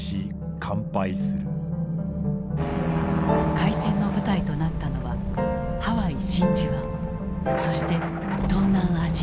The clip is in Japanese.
開戦の舞台となったのはハワイ・真珠湾そして東南アジア。